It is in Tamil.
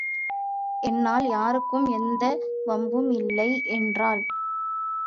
என்னால் யாருக்கும் எந்த வம்பும் இல்லை என்றாள்.